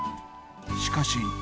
しかし。